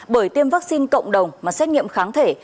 bởi tiêm vaccine cộng đồng mà xét nghiệm kháng thể